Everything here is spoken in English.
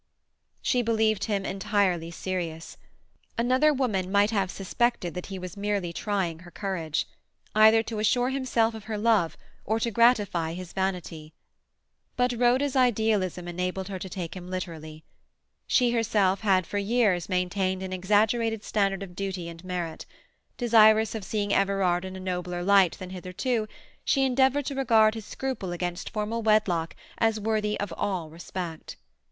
She believed him entirely serious. Another woman might have suspected that he was merely trying her courage, either to assure himself of her love or to gratify his vanity. But Rhoda's idealism enabled her to take him literally. She herself had for years maintained an exaggerated standard of duty and merit; desirous of seeing Everard in a nobler light than hitherto, she endeavoured to regard his scruple against formal wedlock as worthy of all respect.